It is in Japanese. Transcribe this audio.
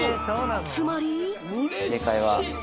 つまり。